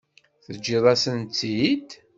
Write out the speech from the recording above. Teǧǧiḍ-asent-tt-id?